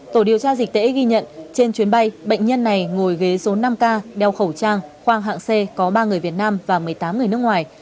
tổ điều tra dịch tễ ghi nhận trên chuyến bay bệnh nhân này ngồi ghế số năm k đeo khẩu trang khoang hạng c có ba người việt nam và một mươi tám người nước ngoài